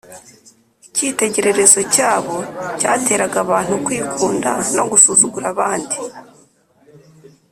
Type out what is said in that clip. Icyitegererezo cyabo cyateraga abantu kwikunda no gusuzugura abandi.